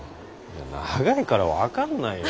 長いから分かんないよ。